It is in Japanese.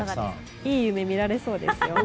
いい夢が見られそうです。